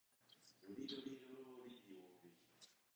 ロリロリローリロリ